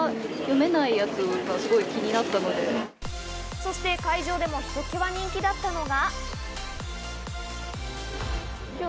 そして会場でも、ひときわ人気だったのが。